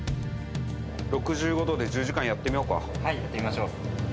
６５度で１０時間やってみよはい、やってみましょう。